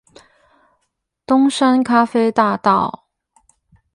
東山咖啡大道